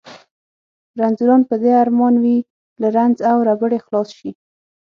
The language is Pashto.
رنځوران په دې ارمان وي له رنځ او ربړې خلاص شي.